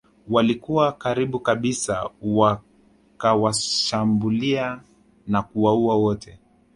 Walikuwa karibu kabisa wakawashambulia na kuwaua wote